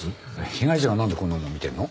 被害者がなんでこんなものを見てるの？